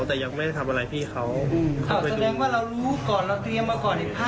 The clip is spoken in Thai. แต่ยังไม่ได้ทำอะไรพี่เขา